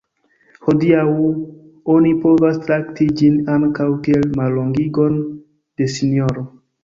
Hodiaŭ oni povas trakti ĝin ankaŭ kiel mallongigon de sinjoro.